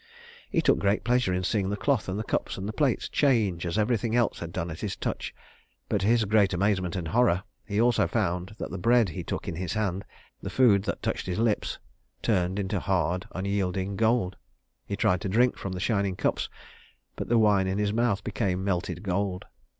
He took great pleasure in seeing the cloth and the cups and the plates change as everything else had done at his touch; but to his great amazement and horror, he also found that the bread he took in his hand, the food that touched his lips, turned into hard, unyielding gold. He tried to drink from the shining cups, but the wine in his mouth became melted gold.